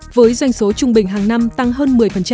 với doanh số trung bình hàng năm tăng hơn một mươi